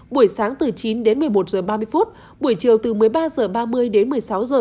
buổi sáng từ chín đến một mươi một h ba mươi buổi chiều từ một mươi ba h ba mươi đến một mươi sáu h